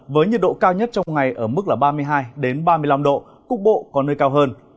với nhiệt độ cao nhất trong ngày ở mức là ba mươi hai ba mươi năm độ cúc bộ còn nơi cao hơn